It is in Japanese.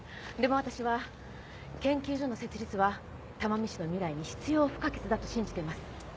でも私は研究所の設立は珠海市の未来に必要不可欠だと信じています。